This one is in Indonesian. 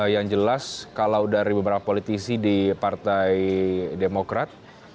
yang jelas kalau dari beberapa politisi di partai demokrat